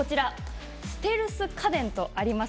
ステルス家電があります。